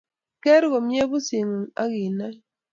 Ker komie pusingung ak inae